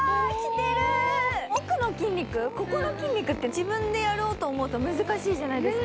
奥の筋肉、ここの筋肉って自分でやろうと思うと難しいじゃないですか。